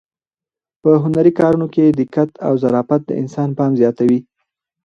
په هنري کارونو کې دقت او ظرافت د انسان پام زیاتوي.